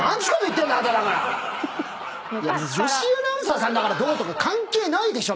女子アナウンサーさんだからどうとか関係ないでしょ！